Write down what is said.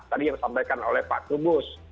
tadi yang disampaikan oleh pak trubus